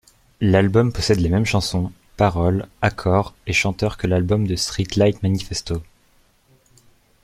L'album possède les mêmes chansons, paroles, accords et chanteur que l'album de Streetlight Manifesto.